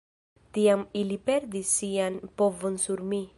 Tiam ili perdis sian povon sur mi.